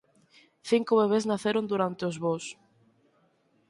Cinco bebés naceron durante os voos.